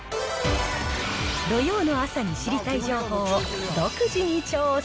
土曜の朝に知りたい情報を独自に調査。